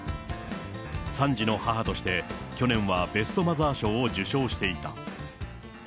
３児の母として、去年はベストマザー賞を受賞していた。